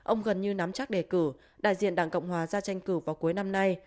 ông gần như nắm chắc đề cử đại diện đảng cộng hòa ra tranh cử vào cuối năm nay